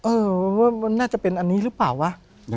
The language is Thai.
เออน่าจะเป็นอันนี้หรือเปล่าวะ